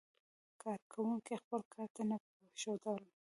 کارکوونکي خپل کار ته نه پرېښودل.